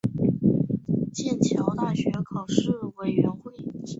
剑桥大学考试委员会